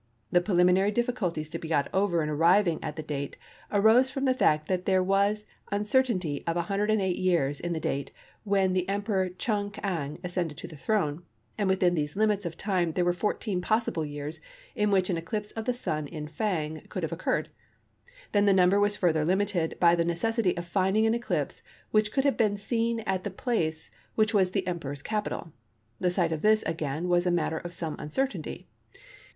The preliminary difficulties to be got over in arriving at the date arose from the fact that there was an uncertainty of 108 years in the date when the Emperor Chung K'ang ascended the throne; and within these limits of time there were 14 possible years in which an eclipse of the Sun in Fang could have occurred. Then the number was further limited by the necessity of finding an eclipse which could have been seen at the place which was the Emperor's capital. The site of this, again, was a matter of some uncertainty.